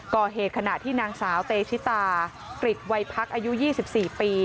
ก่อเหตุขณะที่นางสาวเตชิตากริจวัยพักอายุ๒๔ปี